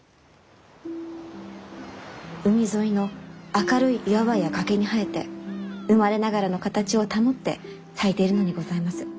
海沿いの明るい岩場や崖に生えて生まれながらの形を保って咲いているのにございます。